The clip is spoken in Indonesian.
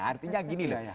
artinya gini loh